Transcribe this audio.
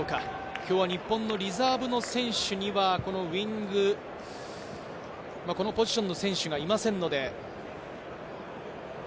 今日は日本のリザーブの選手にはウイング、このポジションの選手がいませんので。